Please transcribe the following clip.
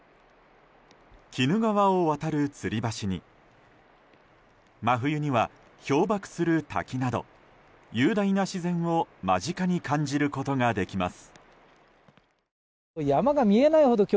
鬼怒川を渡るつり橋に真冬には氷瀑する滝など雄大な自然を間近に感じることができます。